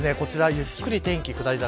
ゆっくり、天気下り坂。